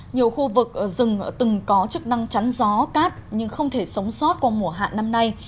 nhiều khu vực rừng từng có chức năng chắn gió cát nhưng không thể sống sót qua mùa hạn năm nay